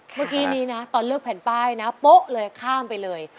เมื่อกี้นี้นะตอนเลือกแผ่นป้ายนะโป๊ะเลยข้ามไปเลย